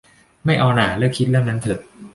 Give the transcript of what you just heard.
ไม่เอาหน่า เลิกคิดเรื่องนั้นเถอะ